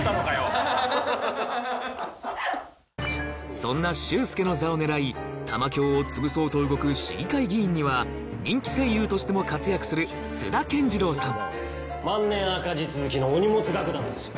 そんな修介の座を狙い玉響をつぶそうと動く市議会議員には人気声優としても活躍する万年赤字続きのお荷物楽団ですよ。